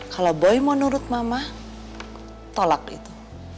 kalau boy mau nurut mama tolak itu